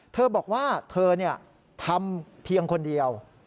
เธอบอกว่าเธอทำเพียงคนเดียว